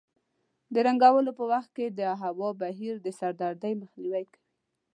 د رنګولو په وخت کې د هوا بهیر د سردردۍ مخنیوی کوي.